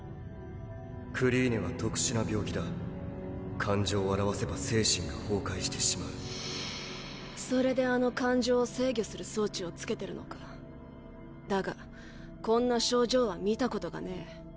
クリーネは特殊な病気だ感情を表せば精神が崩壊してしまうそれであの感情を制御だがこんな症状は見たことがねえ